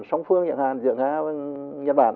song phương nhật hàn giữa nga với nhật bản